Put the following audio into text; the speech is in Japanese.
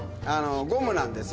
ゴムなんです。